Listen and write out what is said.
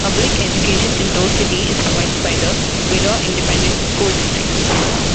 Public education in Rose City is provided by the Vidor Independent School District.